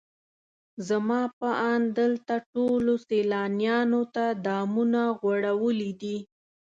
زما په اند دلته ټولو سیلانیانو ته دامونه غوړولي دي.